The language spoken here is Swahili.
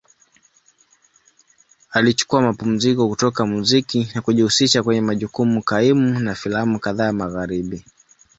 Alichukua mapumziko kutoka muziki na kujihusisha kwenye majukumu kaimu na filamu kadhaa Magharibi.